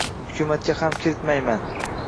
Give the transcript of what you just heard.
hukumatga ham kirmayman.